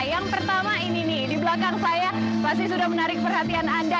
yang pertama ini nih di belakang saya masih sudah menarik perhatian anda